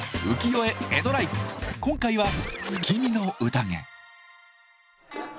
今回は月見の宴。